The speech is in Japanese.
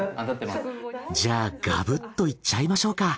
じゃあガブッといっちゃいましょうか。